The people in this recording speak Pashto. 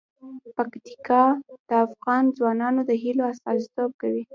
پکتیکا د افغان ځوانانو د هیلو استازیتوب کوي.